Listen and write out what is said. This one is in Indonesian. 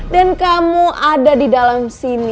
dan kamu ada di dalam sini